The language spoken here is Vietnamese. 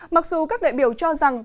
mặc dù các đại biểu cho rằng